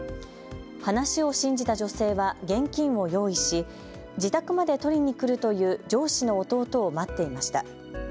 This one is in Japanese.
話を信じた女性は現金を用意し自宅まで取りに来るという上司の弟を待っていました。